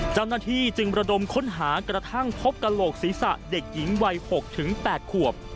เจ้าหน้าที่จึงระดมค้นหากระทั่งพบกระโหลกศีรษะเด็กหญิงวัย๖๘ขวบ